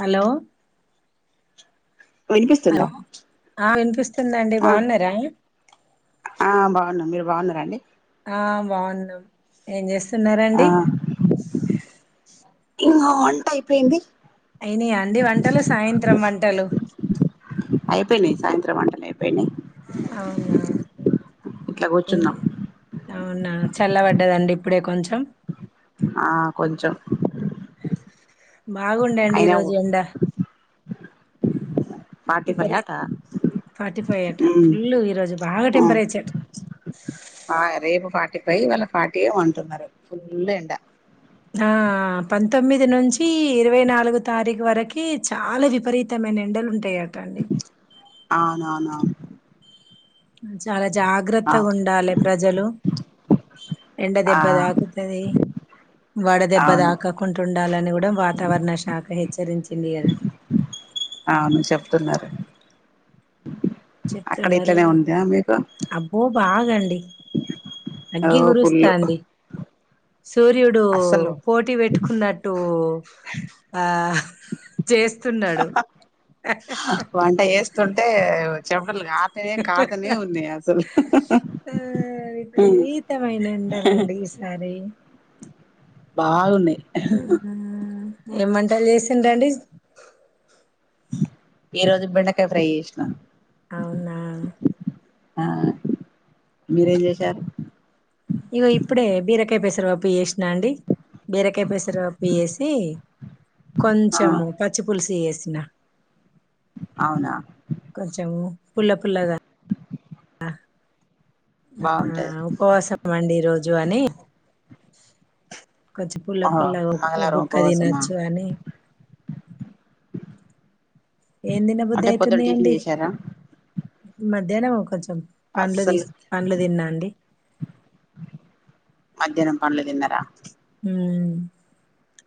Hello వినిపిస్తుందా స్తుందండి ఆ బాగున్నారా ఆ బాగున్నాం మీరు బాగున్నారండి ఆ బాగున్నాం ఏం చేస్త తిన్నార అండి ఇంగా వంట అయిపోయింది అయినయ అండి వంటలు సాయంత్రం వంటలు ఐపోయ్నయ్ సాయంత్రం వంట లేవ్ పెండింగ్ అవునా ఇట్ల ఇన్ గూర్చున్నాం అవునా చల్లబడ్డదండి ఇప్పుడే కొంచెం ఆ కొంచం బాగుండండి ఈరోోజు ఎండ ఫార్టీ ఫైవ్ ఇపరి అట ఫార్టీ ఫైవ్ అట ఉమ్ ఫుల్ ఈరోోజు బాగా ఉమ్ టెంపరేచర్ రయ్ వాళ్ళు ఫార్టీ ఏమో అంటున్నారు ఫుల్లు ఎండ హా పంతొమ్మిది నుంచి ఇరవై నాలుగు తారీఖు వరకి చాలా విపరీతమైన ఎండాలుంటయ టండి ఆవ్నవ్నవ్నూ మ్మ్ చాల జాగ్రత్తగుండాలే ప్రజలు ఎండ ఆ దెబ్బ దాకుతది వడ దెబ్బ అవును దాకకుంటుండాలని గుడ్ డం వాతావరణ శాఖ హెచ్చరించింది గదా అవును చెప్తున్నారు అక్కడ చెప్తున్నారు ఇట్లనే ఉందా మీకు అబ్బో బాగండ్ డి అగో ఫుల్లు సూర్యుడు పోటీ పెట్టుకున్నట్టు ఆ చేస్తున్నాడు స్తుంటే వచ్చినప్ అసలు గార్టనే కార్తనే ఉంది అసలు ఆ మ్మ్ విపరీతమైన ఎండలండి ఈసారి బాగున్నయ్ ఆ ఏం వంటల్ చేసిండ్రండీ ఈ రోజు బెండకాయ ఫ్రై చేసిన అవునా ఆ మీరేం చేసారు ఇగో ఇప్పుడే బీరకాయ పేసర పప్పు చేేసినా అండి. బీరకాయ పెసర పప్పు చేసి ఆ కొంచెము పచ్చి పులుసు చేస్ సిన అవునా కొంచెం పుల్ల పుల్లగా ఆ ఆ బాగుంటది ఉపవాసం అండి ఈ రోజ్ జానీ కొంచెం పుల్ల ఓహో పుల్లగ ఒ మంగళవారం బుక్క ఉపవాసమా తినొచ్చు అని ఎం దినాబుద్ధి అంటే పొద్దున్న టిఫిన్ అయితున్నాయండి చేశారా మధ్యానం ఒ కోంచెం పండ్లు అస్సలు తీస్ పండ్లు తిన్నా అండి మధ్యానం పండ్లు తిన్నారా ఆమ్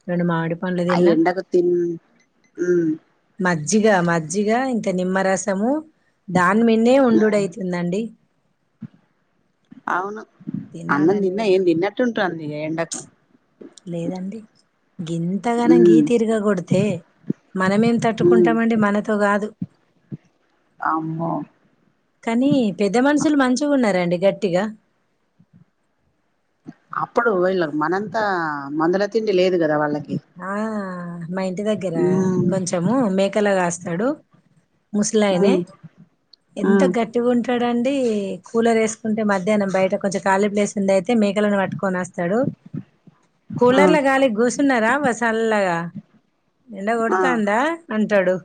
రెండు మామిడి పండ్లు ఆ తిన్న ఎండకు తిన్ ఉమ్ మజ్జిగా మజ్జిగా ఇం నిమ్మ రసము తే దాని మీదే ఉండుడు ఉమ్ అవుతుందండి అవును అన్నం తినాలని తిన్న ఏం కూడా తిన్నట్టుంటాంది ఇగ ఎండకు లేదండి గింతగనామ్ ఉమ్ గీతీరుగా కొడితే మనమేం ఉమ్ తట్టుకుంటామండి మనతో గాదు అమ్మో కానీ పెద్ద మనుషులు మంచిగున్నారండి గట్టిగ అప్పుడు వీళ్ళ మనంతా మందుల తిండి లేదు గదా వాళ్ళకి ఆ మా ఇంటి దగ్గర ఉమ్ కొంచము మేకలా కాస్ తెడు ముసలాయినే ఉమ్ ఎంత ఉమ్ గట్టిగా ఉంట్ టడండి కూలర్ ఏస్కుంటే మధ్యానం బయట కొంచెం ఖాళీ ప్లేస్ ఉండే తే మేకలను పట్టుకొని అస్తడు ఆ కూలర్ల గాలికి గూసున్నారా వ సల్లగా ఎండ ఆ కొడతాందా అంటడు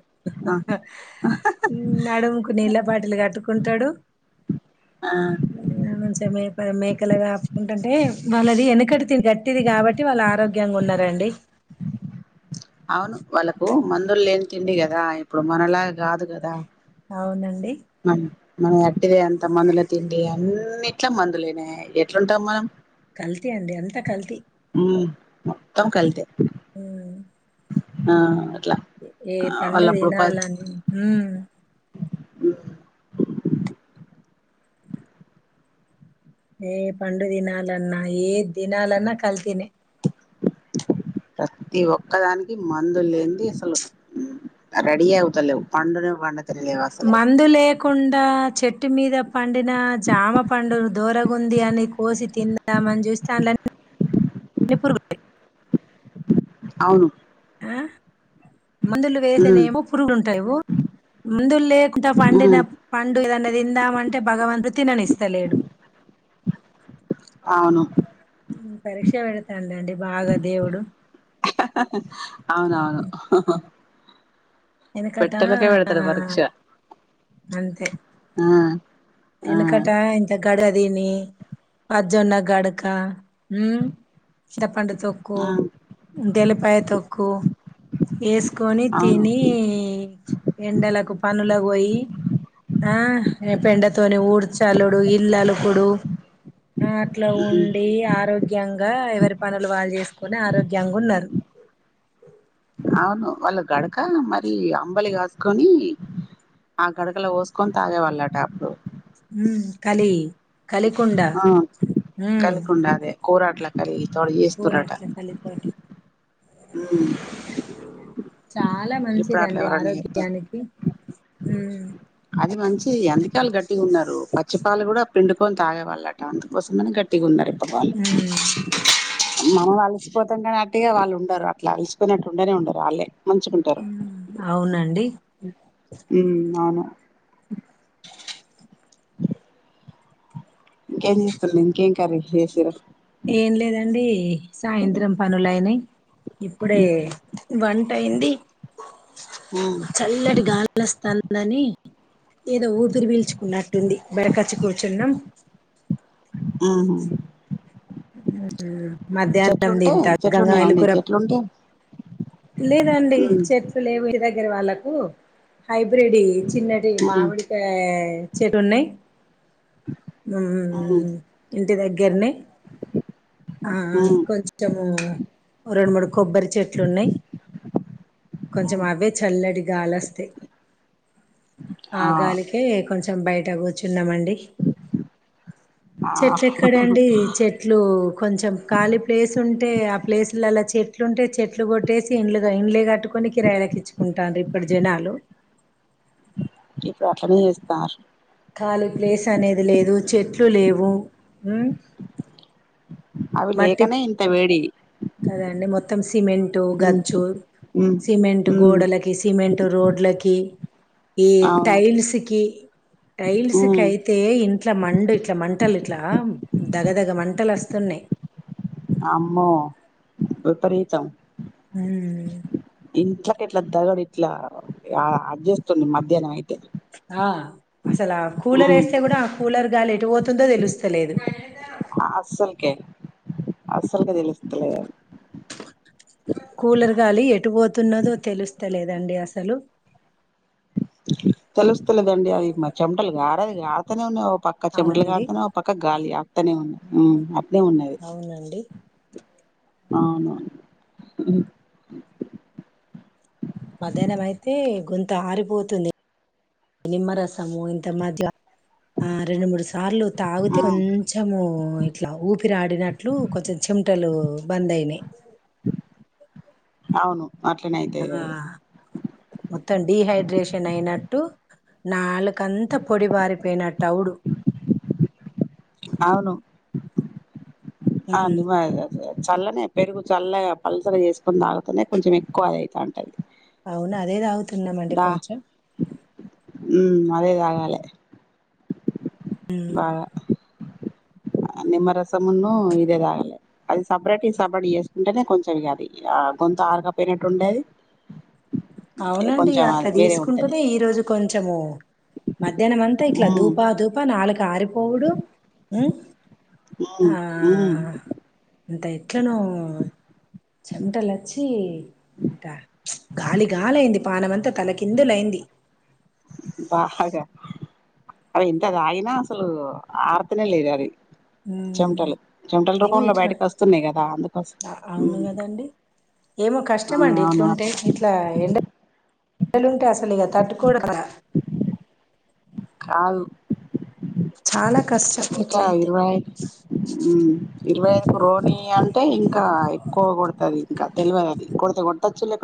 ఆ నడుముకు నీళ్ళభాటిల్లు కట్టుకుంటడు ఆ అమ్ మంచిగ మెపమె గలగాపుకుంటంటే వాళ్ళది వెనకటి తిండి గట్టిది కాబట్టి వాళ్ళు ఆరోగ్యంగా ఉన్నారండి అవును వాళ్ళకు మందులు లేని తిండి గదా ఇప్పుడు మనలా గాదు గదా అవునండి మనం ఎట్టిదే అంత మందులు తిండి అన్నిట్లా మందులేనాయి ఎట్లుంటాం మనం కల్తీ అండి అంత కల్తీ ఉమ్, మొత్తం కల్తె ఆమ్ ఆ అట్లా ఏ ఆ, వాళ్ళప్పుడు ప పండుదినాల హ్ం ఏ పండు దినాలన్నా ఏదినాలన్నా కల్తీనే ప్రతి ఒక్కదానికి మందు లేనింది అసలు రెడీ అవుతలేవు పండునే పడు మందు లేకుండా చెట్ ట్టు మీద పండిన జామ పండు దోరగుంది అని కోసి తిందామని చూస్తే అందులో అన్ని పురుగులున్నాయి అవును అహ్ మందులు వేసేనే ఉమ్ ఏమో పురుగులు ఉంటావువు మ్మ్ పందులు లేకుండా పండిన ఉమ్ పండు ఏదన్నా తిందాంమంటే భగవంతుడు తిననిస్తలేడు అవును ఉమ్ పరీక్ష పెడతాండండి బాగా దేవుడు అవును అవును వెనకట పెట్టలకే ఆ, వెడుతడు పరిచ్చ ఎనకటా ఇంత గడదిని ప జోన్న గడకా చింతపండు తొక్కు, ఆ ఇంతెల్లిపాయ తొక్కు ఏస్కొని అవును తినీ ఎండలకు పనులకు పోయి, ఆ ఎప్ ఎండాక్ తోనే ఊడ్చాలుడు ఇల్లు అలుకుడు ఆ అట్లా ఉమ్ ఉండి ఆరోగ్యంగా ఎవరి పనులు వాళ్ళు చేసుకొని ఆరోగ్యంగా ఉన్నారు. అవును వాళ్ళు గడక మరి అంబలి కాసుకొని ఆ గడకలో పోసుకొని తాగేవాళ్ళట అప్పుడు ఉ కలి కలికుండ ఆ ఉమ్ కలికి ఉండదే కోరాడ్ల కలి తోడు కూర చేస్తురట అట్ల కలితోటి చాలా ఇప్పుడు అట్లా మంచిదండి ఎవరన్నా చేత్తరు ఆరోగ్యానికి ఉమ్ అది మంచిది అందుకే వాళ్ళు గట్టిగా ఉన్నారు పచ్చిపాలు కూడా పిండుకొని తాగేవాళ్ళట అందుకోసమనే గట్టిగా ఉన్నారు. ఉమ్ మన వాళ్లు పోతంగా అట్టిగ వాళ్ళు ఉండరు అట్లా అల్సిపోయినట్టు ఉండనే ఉండరు ఆళ్ళే ఊ అవునండి ఉ అవును ఇంకేం చేస్తుర్రు ఇంకేం కర్రీ చేసిర్రు ఏం లేదండి సాయంత్రం పనులయినయి ఇప్పుడే ఉమ్ వంటయ్యుంది ఉమ్ చల్లటి గాళస్థాంది నని ఏదో ఊపిరి వీల్చుకున్నట్టుంది బరకచ్చి కూర్చున్నం ఆహా మధ్యాహ్నం చెట్లుంటే దంత చెట్లున్నాయా గంగమలి అండి కూర చెట్లుంటే లేదండి ఉమ్ చెట్లు లేవు [unintelligible] దగ్గర వాళ్ళకు హైబ్రిడి చిన్నటి ఉమ్ మామిడికాయె చెట్ ఉన్నాయి ఊ ఉమ్ ఇంటి దగ్గరనే ఆ ఆ ఉమ్ కొంచెము ఓ రెండు మూడు కొబ్బరి చెట్లు ఉన్నాయి. కొంచమ ఉమ్ అవే చల్లటి గాలొస్తాయ్ ఆ గాలికే కొంచెం ం బయటకు కూచ్చున్నాండి డి ఆ చెట్లు ఎక్కడండి చెట్లు కొంచెం ళీ ప్లేస్ ఉంటే ఆ ప్లేస్ల లల్లో చెట్ చెట్లుంటే చెట్లు కొట్టేసి ఇండ్లుగా ఇంలే కాట్టు కొన్ని కిరాయలకు ఇచ్చుకుంటాడ్రు ఇప్పుడు జనాలు ఇప్పుడు అట్లనే చేస్తున్నారు ఖాళీ ప్లేస్ అనేది లేదు చెట్లు లేవు ఊ అవి లేకనే ఇంత వేడి కదండి మొత్తం సిమెంటు ఉమ్ గచ్చు ఉమ్ సిమెంటు ఉమ్ గోడలకి సిమెంటు రోడ్లకి ఈ అవును టైల్స్ కి టైల్స్ కి ఉమ్ అయితే ఇంట్ల మండు ఇట్లా మంటలు ఇట్లా దగదగ మంటలు వస్త తున్నయ్ అమ్మో విపరీతం ఊ ఇంట్లకి ఎట్లా దగడు ఇట్లా అ చేేస్తుంది మధ్యాహ్నం అయితే ఆ అసలు ఆ కూలర్ ఉమ్ వేస్తే కూడా ఆ కూలర్ గాలి ఎటు పోతుందో తెలుస్తలేదు అసలుగా తెలుస్తలేదు కూలర్ గాలి ఎటు పోతున్నదో తెలుస్తలేదండి అసలు తెలుస్తలేదండి అది మా చెమంటలుగా మటలు కరతనే ఉన్నాయ్ [unintelligible] పక్క చమట్లు అవునండి కారతన్నయ్ ఓ పక్క గాలి అక్ అట్టనే ఉన్నాయి అట్లే ఉన్నది అవునండి అవును మధ్యాహ్నం అయితే గొంతారిపోతుంది నిమ్మరసము ఇంత మజ్గా ఆ రెండు మూడు సార్లు తాగితే ఉమ్ కొంచెము ఇట్లా ఊపిరాడినట్లు కొంచెం చెమటలు బంద్ అయినాయ్ అవును అట్లనే ఆ అయితయి అవి మొత్తం డీహైడ్రేషన్ అయిన ట్టు నాలుకంత పొడి బారిపోయిన తౌడు అవును ఆ హ్మ్. నిమయజ జే చల్లనే పెరుగు చల్లగా పల్సగా చేసుకొని తాగుతనే కొంచెం ఎక్కువ అది అయితాంది అవునా అదే తాగుతున్నాం అండి కొంచెం ఉ అదే తాగాలే బాగా నిమ్మరసమున్ను ఇదే తాగాలే అది సపరేట్ ఇది సపరేట్ చేసుకుంటేనే కొంచెం ఇగ అది ఆ గొంతు ఆరకపోయినట్టు ఉండేది అవునండి అట్లా తీసుకుంటూనే ఈ రోజు కొంచము మధ్యాహ్నంమంతా ఇట్లా ఉమ్ దూపా దూపా నాలుక ఆరిపో పోవుడు ఉ ఉమ్ ఉమ్ అంత ఎట్లనో చెమటలచ్చి టా గాలి కాలైంది పానమంతా తలకిందులైంది బాగా అవి ఎంత తాగిన అసలు ఆర్తనే లేదు అది మ్మ్ చెమటలు చెమటల ఏమో రూపంలో ఇట్లా బయటకి వస్తున్నాయి కదా అందుకోసం అవును కదండి ఏమో ఆ అవును అట్ల్ ల్లలుంటే అసల్ ఇగ తట్టుకోరు కదా కాదు చాలా కష్టం ఇంకా ఇట్లయితే ఇరవై ఐదు ఉ ఇరవై ఐదుకు రోణి అంటే ఇంకా ఎక్కువ కొడుతది ఇంకా తెలవదు అది కొడితే కొట్టొచ్చు లే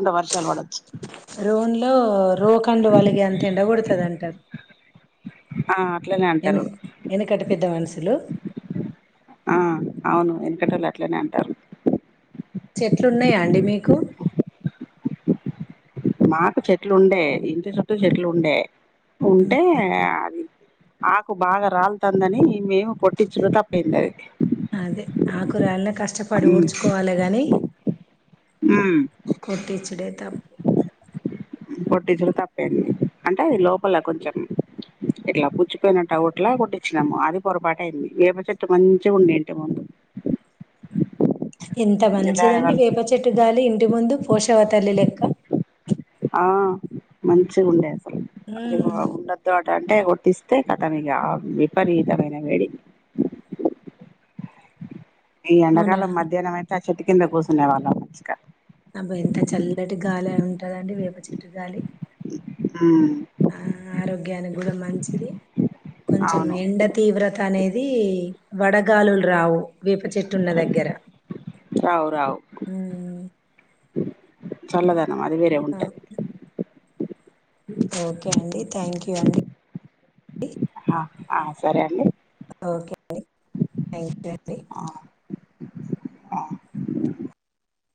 రోన్ లో రోఖండ్లు వాళిగే అంత ఎండ కోడుత్ దంటరు ఆ అట్లనే ఎన్ని అంటారు ఎనకటి పెద్ద మనుషులు వెనుకటోళ్ళు అట్లనే అంటారు చెట్లు ఉన్నాయా అండి మీకు మాకు చెట్లు ఉండే ఇంటి చుట్టూ చెట్లు ఉండే ఉంటే అది ఆకు బాగా రాలుతాందని అదే ఆకుర్లనే కష్టపడి ఊడ్చుకోవాలి గానీ మ్మ్ కొట్టిచ్చుడే త కొట్టించడం తప్పేంది అంటే అది లోపల కొంచెం ఇట్లా పుచ్చిపోయినట్టు ఒకట్లా కొట్టించినాము అది పొరపాటు అయింది వేప చెట్టు మంచిగా ఉండేంటి ముందు ఎంత దాని మంచిదండి వల్ల వేప చెట్టు గాలి ఇంటి ముందు పోషావ తల్లి లెక్క ఆ మంచి గుండె ఊ అంటే కొట్టిస్తే ఖతం ఇంగ ఆ విపరీతమైన వేడి ఈ అవునా ఎండకాలం మధ్యానం అయితే చెట్టు కింద కూసునే వాళ్ళం ఇంకా అబ ఎంత చల్లటి గాలి ఉంటదండి వేప చెట్టు గాలి ఆ ఆరోగ్యానికి కూడా మంచిది కొంచెం అవును ఎండ తీవ్రత అనేద్ అది వడగాలులు రావు వేప చెట్టున్న దగ్గర రావు రావు ఊ చల్లద అది వేరే ఉంటది ఓకే అండి థ్యాంక్ యూ అండి ఆ ఆ సరే అండి ఓకే అండి థ్యాంక్ యూ అండి ఆ